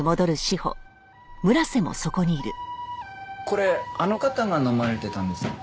これあの方が飲まれてたんですか？